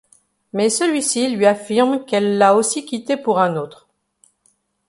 Mais celui-ci lui affirme qu'elle l'a aussi quitté pour un autre.